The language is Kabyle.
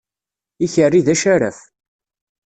Ikerri d acaraf.